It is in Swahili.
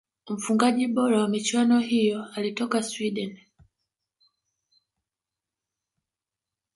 mfungaji bora wa michuano hiyo alitoka swideni